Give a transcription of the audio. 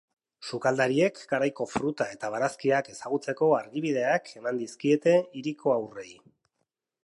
Sukaldariek garaiko fruta eta barazkiak ezagutzeko argibideak eman dizkiete hiriko haurrei.